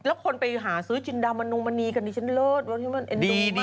แล้วคนไปหาซื้อจินดามมนุมนีกันดิฉันเลิศ